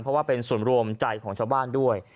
เพราะว่าเป็นส่วนรวมใจของชาวบ้านด้วย